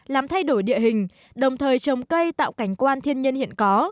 làm thay đổi địa hình đồng thời trồng cây tạo cảnh quan thiên nhiên hiện có